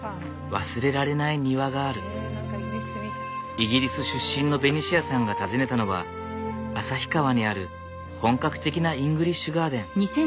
イギリス出身のベニシアさんが訪ねたのは旭川にある本格的なイングリッシュガーデン。